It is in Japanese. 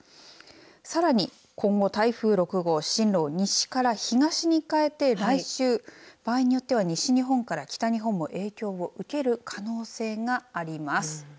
さらに、今後台風６号進路を西から東に変えて来週、場合によっては西日本から北日本も影響を受ける可能性があります。